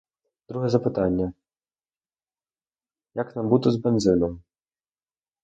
Друге запитання: як нам бути з бензином?